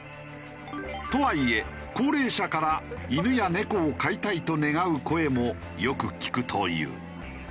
とはいえ高齢者から犬や猫を飼いたいと願う声もよく聞くという。